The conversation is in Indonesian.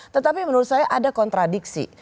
tetapi menurut saya ada kontradiksi